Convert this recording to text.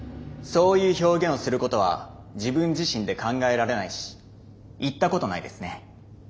そういう表現をすることは自分自身で考えられないし言ったことないですね。